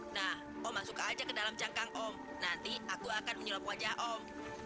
nah om masuk aja ke dalam cangkang om nanti aku akan menyulap wajah om